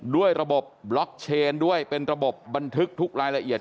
ด้วยระบบบล็อกเชนด้วยเป็นระบบบันทึกทุกรายละเอียด